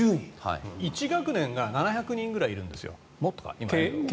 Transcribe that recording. １学年が７００人ぐらいいるんです。